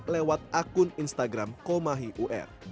lewat akun instagram komahi ur